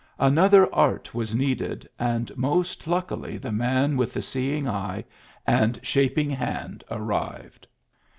Another art was needed, and most luckily the man with the seeing eye and shaping hand arrived.